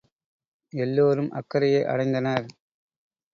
எல்லோரும் அக்கரையை அடைந்தனர்.